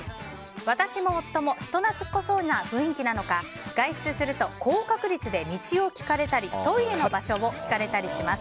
私も夫も人懐っこそうな雰囲気なのか外出すると高確率で道を聞かれたりトイレの場所を聞かれたりします。